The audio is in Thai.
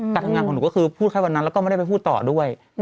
การทำงานของหนูก็คือพูดแค่วันนั้นแล้วก็ไม่ได้ไปพูดต่อด้วย